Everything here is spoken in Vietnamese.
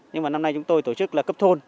nhưng mà năm nay chúng tôi tổ chức là cấp thôn